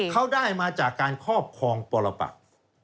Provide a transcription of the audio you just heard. เขาได้มาจากการครอบครองปรปัก